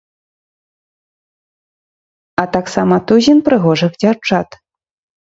А таксама тузін прыгожых дзяўчат.